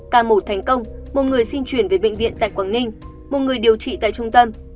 ca mổ thành công một người xin chuyển về bệnh viện tại quảng ninh một người điều trị tại trung tâm